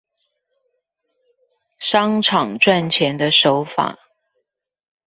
商場賺錢的手法